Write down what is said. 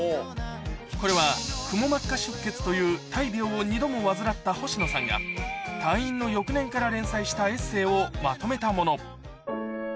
これはくも膜下出血という大病を２度も患った星野さんが退院の翌年から連載したエッセーをまとめたもの。